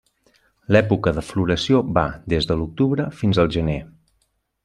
L'època de floració va des de l'octubre fins al gener.